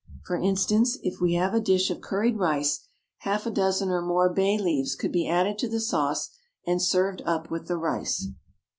For instance, if we have a dish of curried rice, half a dozen or more bay leaves could be added to the sauce and served up with the rice.